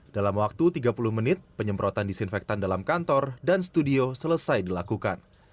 dalam waktu tiga puluh menit penyemprotan disinfektan dalam kantor dan studio selesai dilakukan